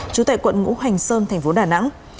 trú tại quận ngũ hành sơn thành phố đà nẵng